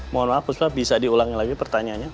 mohon maaf puspa bisa diulangi lagi pertanyaannya